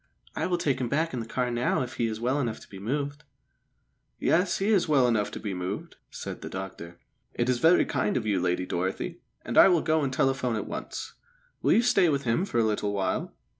I will take him back in the car now if he is well enough to be moved." "Yes, he is well enough to be moved," said the doctor. "It is very kind of you, Lady Dorothy, and I will go and telephone at once. Will you stay with him for a little while?"